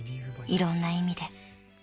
いろんな意味で］